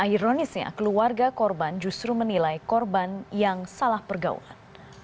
ironisnya keluarga korban justru menilai korban yang salah pergaulan